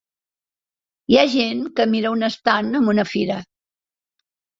hi ha gent que mira un estand en una fira.